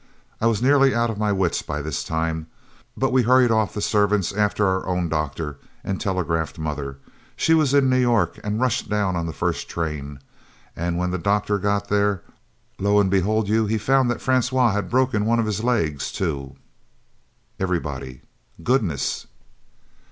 I was nearly out of my wits by this time. But we hurried off the servants after our own doctor and telegraphed mother she was in New York and rushed down on the first train; and when the doctor got there, lo and behold you he found Francois had broke one of his legs, too!" Everybody "Goodness!"